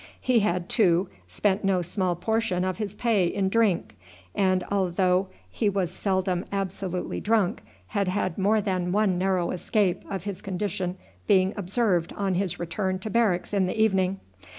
He had, too, spent no small portion of his pay in drink, and although he was seldom absolutely drunk, had had more than one narrow escape of his condition being observed on his return to barracks in the evening.